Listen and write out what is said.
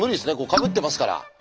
かぶってますから。